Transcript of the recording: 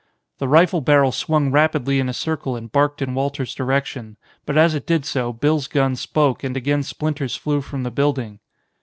The rifle barrel swung rapidly in a circle and barked in Walter's direction; but as it did so, Bill's gun spoke and again splinters flew from the building.